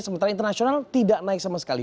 sementara internasional tidak naik sama sekali